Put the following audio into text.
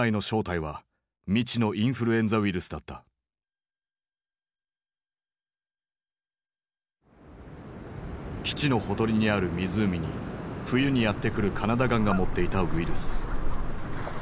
この病の正体は基地のほとりにある湖に冬にやって来るカナダ雁が持っていたウイルス。